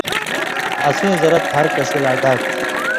اسیں زرت ہر کسی لا ڈاگ تھی۔